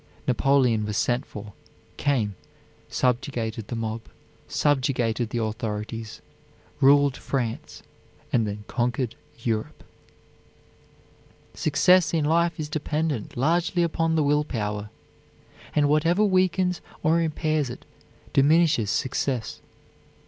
Napoleon was sent for, came, subjugated the mob, subjugated the authorities, ruled France and then conquered Europe. Success in life is dependent largely upon the will power, and whatever weakens or impairs it diminishes success.